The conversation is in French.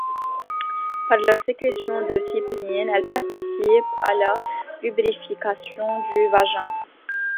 Par leur sécrétion de cyprine, elles participent à la lubrification du vagin.